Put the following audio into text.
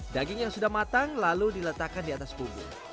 daging yang sudah matang lalu diletakkan di atas bumbu